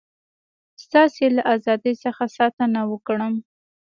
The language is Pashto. ستاسي له ازادی څخه ساتنه وکړم.